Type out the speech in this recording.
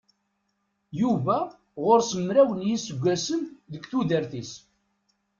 Yuba ɣur-s mraw n yiseggasen deg tudert-is.